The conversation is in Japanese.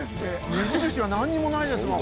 目印がなんにもないですもん